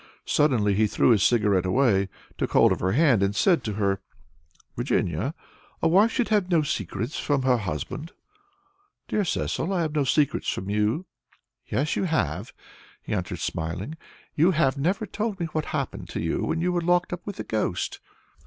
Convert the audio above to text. Suddenly he threw his cigarette away, took hold of her hand, and said to her, "Virginia, a wife should have no secrets from her husband." "Dear Cecil! I have no secrets from you." "Yes, you have," he answered, smiling, "you have never told me what happened to you when you were locked up with the ghost."